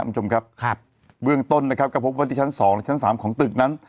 คุณผู้ชมครับครับเบื้องต้นนะครับก็พบว่าที่ชั้นสองและชั้นสามของตึกนั้น